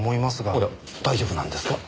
おや大丈夫なんですか？